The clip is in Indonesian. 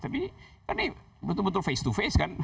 tapi ini kan betul betul face to face kan